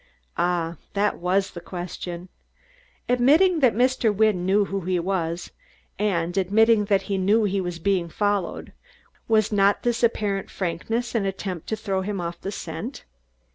Ah! That was the question! Admitting that Mr. Wynne knew who he was, and admitting that he knew he was being followed, was not this apparent frankness an attempt to throw him off the scent?